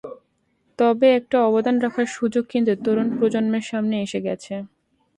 তবে একটা অবদান রাখার সুযোগ কিন্তু তরুণ প্রজন্মের সামনে এসে গেছে।